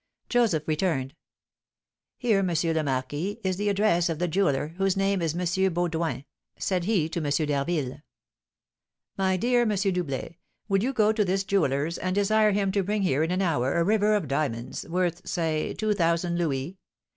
Joseph returned. "Here, M. le Marquis, is the address of the jeweller, whose name is M. Baudoin," said he to M. d'Harville. "My dear M. Doublet, will you go to this jeweller's, and desire him to bring here in an hour a river of diamonds, worth, say, two thousand louis?